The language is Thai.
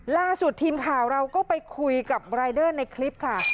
ล่าสุดทีมข่าวเราก็ไปคุยกับรายเดอร์ในคลิปค่ะ